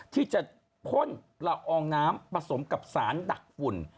ที่จะพ่นละอองน้ำผสมกับสารดักฝุ่น